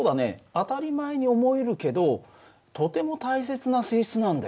当たり前に思えるけどとても大切な性質なんだよ。